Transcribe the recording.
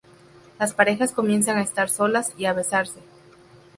Las parejas comienzan a estar solas y a besarse.